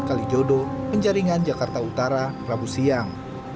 kalijodo penjaringan jakarta utara rabu siang